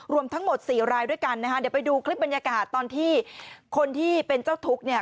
รวมทั้งหมดสี่รายด้วยกันนะคะเดี๋ยวไปดูคลิปบรรยากาศตอนที่คนที่เป็นเจ้าทุกข์เนี่ย